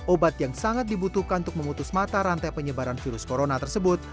obat yang sangat dibutuhkan untuk memutus mata rantai penyebaran virus corona tersebut